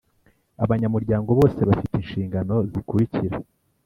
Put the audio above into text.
Abanyamuryango bose bafite inshingano zikurikira